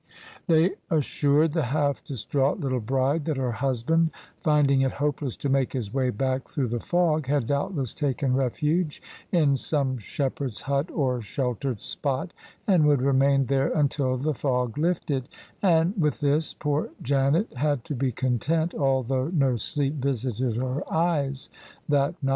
They assured the half distraught little bride that her husband — finding it hopeless to make his way back through the fog — had doubtless taken refuge in some shepherd's hut or shel tered spot, and would remain there until the fog lifted: and with this poor Janet had to be content, although no sleep visited her eyes that night.